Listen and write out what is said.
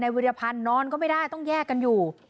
วิรพันธ์นอนก็ไม่ได้ต้องแยกกันอยู่